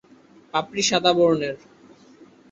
পাপড়ি সাদা বর্ণের।